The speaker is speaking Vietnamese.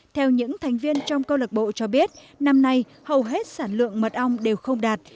theo những thành viên trong câu lạc bộ cho biết năm nay hầu hết sản lượng mật ong đều không đạt